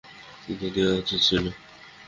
কিন্তু দেয়া উচিৎ ছিল।